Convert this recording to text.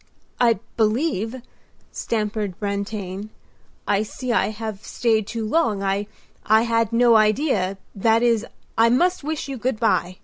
"I believe," stammered Brantain, "I see that I have stayed too long. I—I had no idea—that is, I must wish you good by."